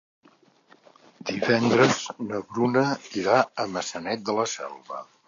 Divendres na Bruna irà a Maçanet de la Selva.